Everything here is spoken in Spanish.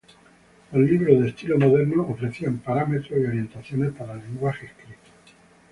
Los libros de estilo modernos ofrecían parámetros y orientaciones para el lenguaje escrito.